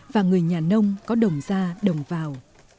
và người nhà nông có đồng ra đồng vào